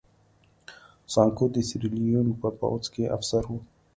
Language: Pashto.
سانکو د سیریلیون په پوځ کې افسر و.